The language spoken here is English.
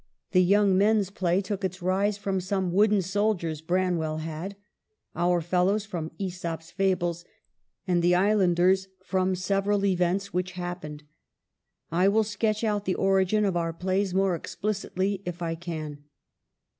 The ' Young Men's ' play took its rise from some wooden soldiers Branwell had ;' Our Fellows,' from vEsop's Fables ; and the ■ Islanders,' from several events which happened. I will sketch out the origin of our plays more explicitly if I can.